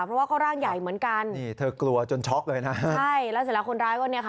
เพราะว่าก็ร่างใหญ่เหมือนกันนี่เธอกลัวจนช็อกเลยนะใช่แล้วเสร็จแล้วคนร้ายก็เนี่ยค่ะ